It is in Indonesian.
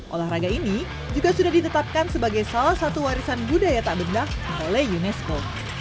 olahraga ini juga sudah ditetapkan sebagai salah satu warisan budaya tak benda oleh unesco